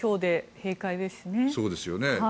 そうですよね。